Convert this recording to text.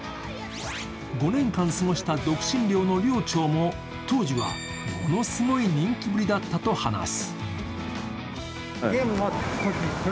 ５年間過ごした独身寮の寮長は当時はものすごい人気ぶりだったと話す。